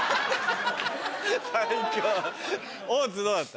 最高大津どうだった？